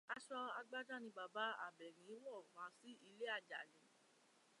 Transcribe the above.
Aṣọ agbádá ni bàbá Àbẹ́ní wò wá sí ilé Àjàní.